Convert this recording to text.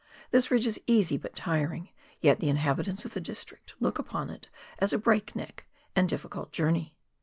This ridge is easy but tiring, yet the inhabitants of the district look upon it as a breakneck and difficult journey.